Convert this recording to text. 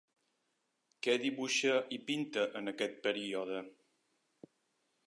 Què dibuixa i pinta en aquest període?